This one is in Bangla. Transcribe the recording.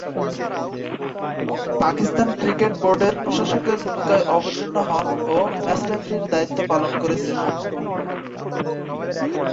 পাকিস্তান ক্রিকেট বোর্ডের প্রশাসকের ভূমিকায় অবতীর্ণ হন ও ম্যাচ রেফারির দায়িত্ব পালন করেছেন।